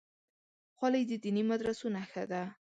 خولۍ د دیني مدرسو نښه ده.